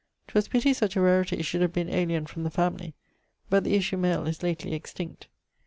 'Twas pitty such a rarity should have been aliend from the family, but the issue male is lately extinct.